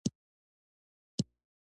تاسو څه پیرئ؟